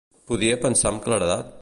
Podia pensar amb claredat?